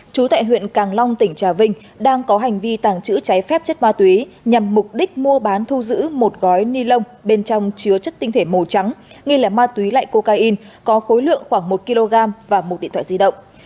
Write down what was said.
chú tại huyện càng long tỉnh trà vinh đang có hành vi tàng trữ cháy phép chất ma túy nhằm mục đích mua bán thu giữ một gói ni lông bên trong chứa chất tinh thể màu trắng nghi là ma túy lại cocaine có khối lượng khoảng một kg và một điện thoại di động